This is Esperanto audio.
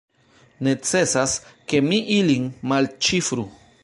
Necesas, ke mi ilin malĉifru.